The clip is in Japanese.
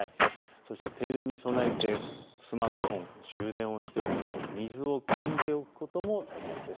そして停電に備えてスマートフォン、充電をしておいて水をくんでおくことも大切です。